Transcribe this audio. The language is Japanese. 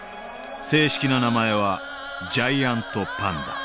正式な名前はジャイアントパンダ。